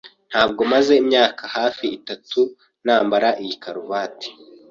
Ntabwo maze imyaka hafi itatu nambara iyi karuvati.